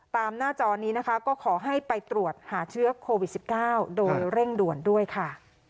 หน้าจอนี้นะคะก็ขอให้ไปตรวจหาเชื้อโควิด๑๙โดยเร่งด่วนด้วยค่ะ